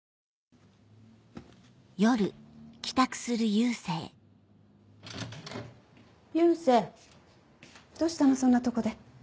佑星どうしたのそんなとこで。